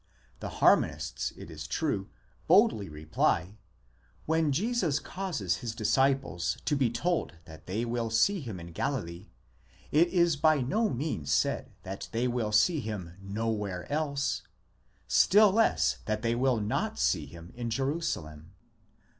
* The harmonists, it is true, boldly reply: when Jesus causes his disciples to be told that they will see him in Galilee, it is by no means said that they will see him nowhere else, still less that they will not see him in Jerusalem.